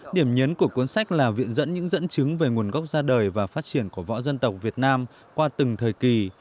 điểm nhấn của cuốn sách là viện dẫn những dẫn chứng về nguồn gốc ra đời và phát triển của võ dân tộc việt nam qua từng thời kỳ